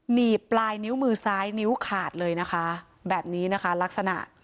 หนีบปลายนิ้วมือซ้ายนิ้วขาดเลยนะคะแบบนี้นะคะลักษณะ